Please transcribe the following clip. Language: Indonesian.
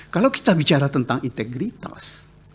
kalau kita bicara tentang integritas